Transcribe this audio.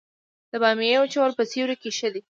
د بامیې وچول په سیوري کې ښه دي؟